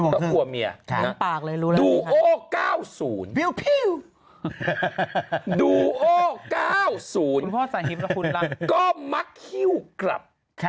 ก็กลัวเมียดูโอ้๙๐ดูโอ้๙๐ก็มักฮิวกลับ